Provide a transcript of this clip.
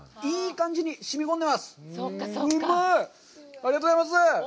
ありがとうございます。